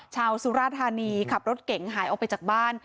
สุราธานีขับรถเก๋งหายออกไปจากบ้าน